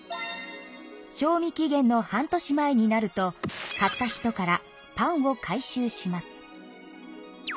賞味期限の半年前になると買った人からパンを回収します。